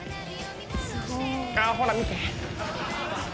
ほら見て。